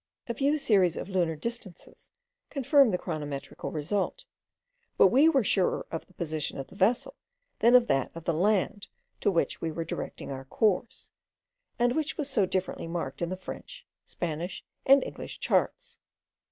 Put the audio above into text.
A few series of lunar distances confirmed the chronometrical result; but we were surer of the position of the vessel, than of that of the land to which we were directing our course, and which was so differently marked in the French, Spanish, and English charts.